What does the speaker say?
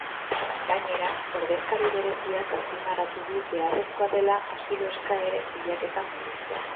Gainera, ordezkari bereziak azpimarratu du beharrezkoa dela asilo-eskaeren pilaketa murriztea.